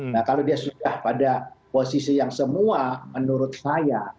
nah kalau dia sudah pada posisi yang semua menurut saya